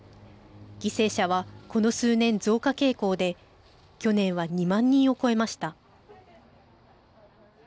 犠牲者はこの数年、増加傾向で去年は２万人を超えました。